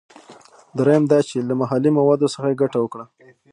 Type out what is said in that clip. دریم دا چې له محلي موادو څخه یې ګټه وکړه.